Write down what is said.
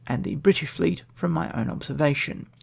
the British fleet from my own observation."